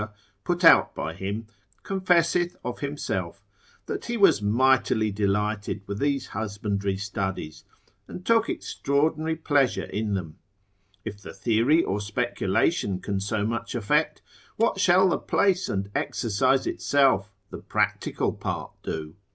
put out by him, confesseth of himself, that he was mightily delighted with these husbandry studies, and took extraordinary pleasure in them: if the theory or speculation can so much affect, what shall the place and exercise itself, the practical part do?